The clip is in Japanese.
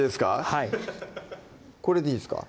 はいこれでいいですか？